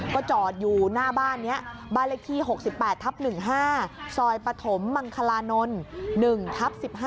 ก็จอดอยู่หน้าบ้านนี้บ้านเลขที่๖๘ทับ๑๕ซอยปฐมมังคลานนท์๑ทับ๑๕